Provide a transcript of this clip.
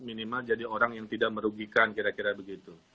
minimal jadi orang yang tidak merugikan kira kira begitu